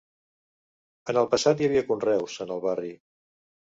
En el passat hi havia conreus, en el barri.